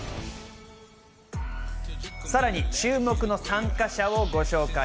さらに注目の参加者をご紹介。